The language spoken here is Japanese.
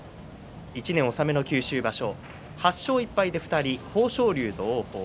１年納めの九州場所８勝１敗で２人、豊昇龍と王鵬